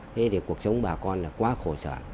thế thì cuộc sống bà con là quá khổ sản